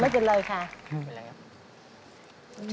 ไม่เป็นไรครับ